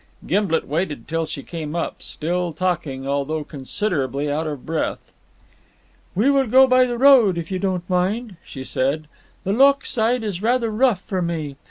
Gimblet waited till she came up, still talking, although considerably out of breath. "We will go by the road, if you don't mind," she said, "the lochside is rather rough for me.